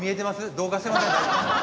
同化してませんか？